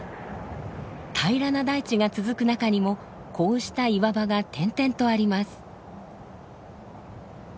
平らな大地が続く中にもこうした岩場が点々とあります。